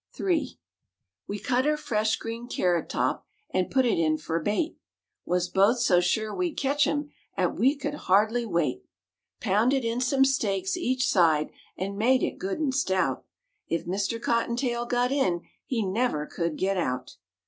III. We cut er fresh green carrot top 'n' put it in fer bait, Wuz both so sure we'd ketch him 'at we couldn't hardly wait; Pounded in some stakes each side 'n' made it good 'n' stout; If Mister Cotton Tail got in he never could get out.